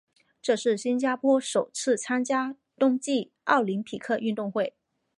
这是新加坡首次参加冬季奥林匹克运动会。